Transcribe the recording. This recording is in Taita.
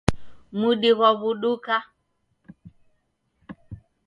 Mudi ghwaw'uduka.